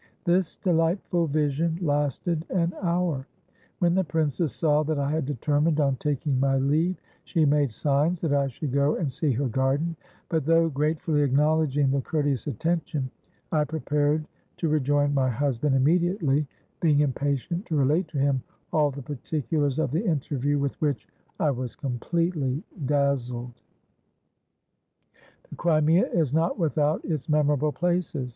This delightful vision lasted an hour. When the princess saw that I had determined on taking my leave, she made signs that I should go and see her garden; but, though gratefully acknowledging the courteous attention, I prepared to rejoin my husband immediately, being impatient to relate to him all the particulars of the interview with which I was completely dazzled." The Crimea is not without its memorable places.